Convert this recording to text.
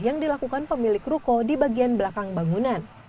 yang dilakukan pemilik ruko di bagian belakang bangunan